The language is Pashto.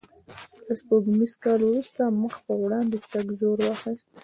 له سپوږمیز کال وروسته مخ په وړاندې تګ زور واخیست.